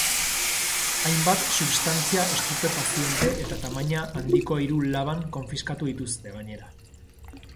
Hainbat substantzia estupefaziente eta tamaina handiko hiru laban konfiskatu dituzte, gainera.